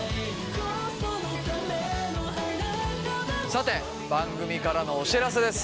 さて番組からのお知らせです。